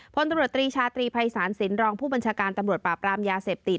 พลตำรวจตรีชาตรีภัยศาลสินรองผู้บัญชาการตำรวจปราบรามยาเสพติด